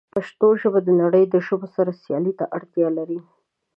پښتو ژبه د نړۍ د ژبو سره سیالۍ ته اړتیا لري.